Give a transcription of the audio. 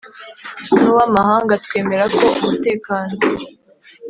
N uw amahanga twemera ko umutekano